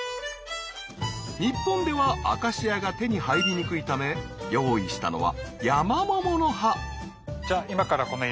日本ではアカシアが手に入りにくいため用意したのはヤマモモの葉。